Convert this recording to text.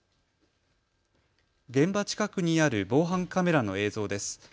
現場近くにある防犯カメラの映像です。